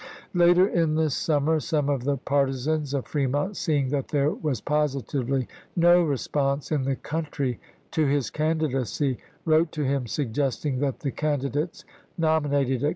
Later in the summer some of the partisans of Fremont, seeing that there was positively no re sponse in the country to his candidacy, wrote to him suggesting that the candidates nominated at i&.